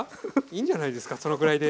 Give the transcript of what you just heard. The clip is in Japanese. いいんじゃないですかそのぐらいで。